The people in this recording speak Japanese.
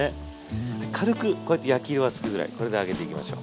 軽くこうやって焼き色がつくぐらいこれで上げていきましょう。